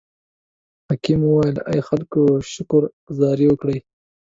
حاکم وویل: ای خلکو شکر ګذاري وکړئ.